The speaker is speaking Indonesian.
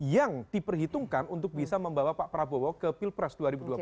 yang diperhitungkan untuk bisa membawa pak prabowo ke pilpres dua ribu dua puluh empat